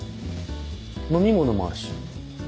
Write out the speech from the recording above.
飲み物もあるし。